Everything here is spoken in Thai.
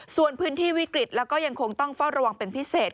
ส่วนพื้นที่วิกฤตแล้วก็ยังคงต้องเฝ้าระวังเป็นพิเศษ